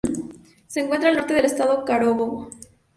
Se encuentra al norte del estado Carabobo.